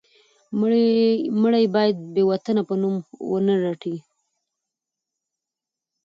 مړی یې باید د بې وطنه په نوم ونه رټي.